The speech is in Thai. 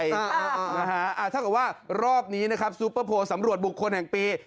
ถ้าเกิดว่ารอบนี้นะครับซูเปอร์โพลสำรวจบุคคลแห่งปี